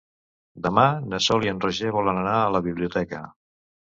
Demà na Sol i en Roger volen anar a la biblioteca.